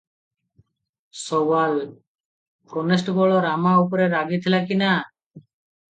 ସୱାଲ - constable Rama ଉପରେ ରାଗିଥିଲା କି ନା?